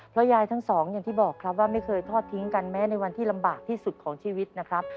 เพราะยายทั้งสองอย่างที่บอกครับว่าไม่เคยทอดทิ้งกันแม้ในวันที่ลำบากที่สุดของชีวิตนะครับ